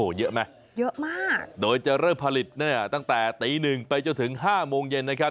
เยอะไหมเยอะมากโดยจะเริ่มผลิตเนี่ยตั้งแต่ตีหนึ่งไปจนถึงห้าโมงเย็นนะครับ